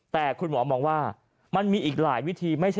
แต่คุณหมอมองว่ามันมีอีกหลายวิธีไม่ใช่